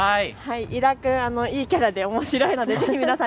伊田君、いいキャラでおもしろいのでぜひ皆さん